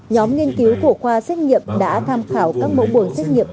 nhóm nghiên cứu của khoa xét nghiệm đã tham khảo các mẫu buồng xét nghiệm